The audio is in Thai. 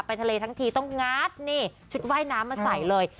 ทะเลทั้งทีต้องงัดนี่ชุดว่ายน้ำมาใส่เลย